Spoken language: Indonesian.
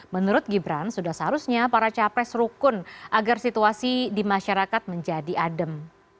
menurut gibran sudah seharusnya para capres rukun agar situasi di masyarakat menjadi adem